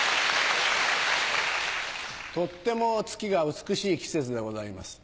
とっても月が美しい季節でございます。